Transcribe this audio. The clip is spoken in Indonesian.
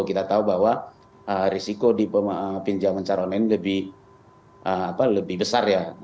kita tahu bahwa risiko di pinjaman calon ini lebih besar ya